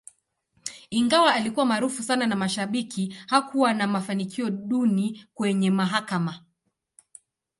Ingawa alikuwa maarufu sana na mashabiki, hakuwa na mafanikio duni kwenye mahakama.